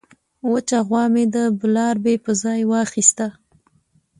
وچه غوا مې د بلاربې په ځای واخیسته.